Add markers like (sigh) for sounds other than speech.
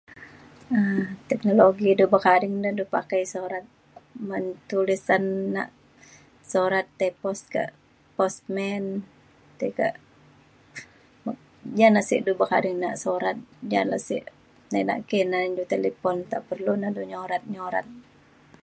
um teknologi du bekading re du pakai sorat men tulisan nak sorat tei pos ka posmen tei ka (noise) jana sek du bekading nak sorat jale sik nai naki na ya ne du talipun tak perlu ne du nyorat nyorat